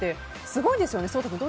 すごいですよね。